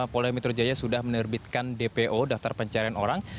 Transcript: pola mitrujaya sudah menerbitkan dpo daftar pencarian orang